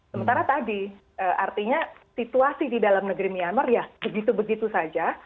karena tadi artinya situasi di dalam negeri myanmar ya begitu begitu saja